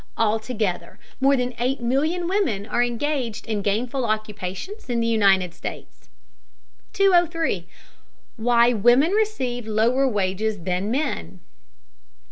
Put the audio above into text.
Altogether more than 8,000,000 women are engaged in gainful occupations in the United States. 203. WHY WOMEN RECEIVE LOWER WAGES THAN MEN.